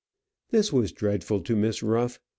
This was dreadful to Miss Ruff.